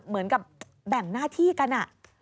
เหมือนกับแบ่งหน้าที่กัน